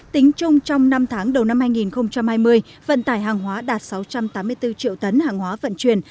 tính chung trong năm tháng đầu năm hai nghìn hai mươi vận tải hàng hóa đạt sáu trăm tám mươi bốn triệu tấn hàng hóa vận chuyển